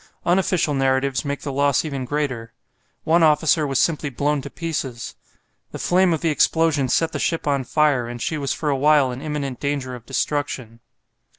Unofficial narratives make the loss even greater. One officer was simply blown to pieces. The flame of the explosion set the ship on fire, and she was for a while in imminent danger of destruction.